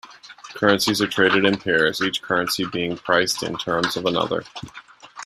Currencies are traded in pairs, each currency being priced in terms of another.